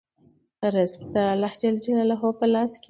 رزق د خدای په لاس کې دی.